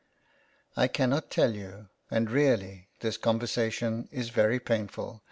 " I cannot tell you ; and, really, this conversation is very painful.